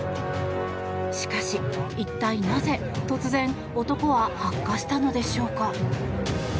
しかし、一体なぜ突然、男は発火したのでしょうか。